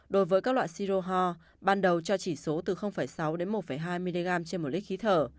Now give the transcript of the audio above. đối với các loại si rô hoa ban đầu cho chỉ số từ sáu một hai mg trên một lít khí thở